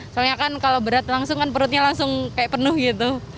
soalnya kan kalau berat langsung kan perutnya langsung kayak penuh gitu